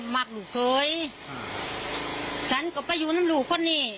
แม่ก็เลยหนี